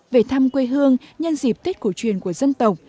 về thăm quê hương nhân dịp tết cổ truyền của dân tộc